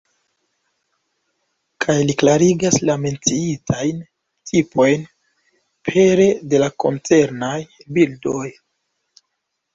Kaj li klarigas la menciitajn tipojn pere de la koncernaj bildoj.